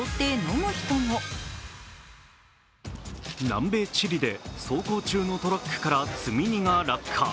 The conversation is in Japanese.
南米・チリで走行中のトラックから積荷が落下。